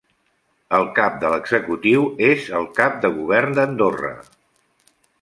El cap de l'executiu és el Cap de Govern d'Andorra.